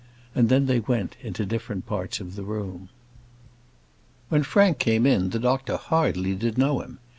And then they went into different parts of the room. When Frank came in, the doctor hardly did know him.